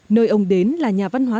nơi ông đến là nhà văn hóa